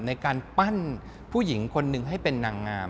ในการปั้นผู้หญิงคนหนึ่งให้เป็นนางงาม